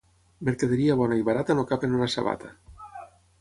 Mercaderia bona i barata no cap en una sabata.